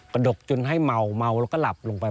ดกจนให้เมาแล้วก็หลับลงไป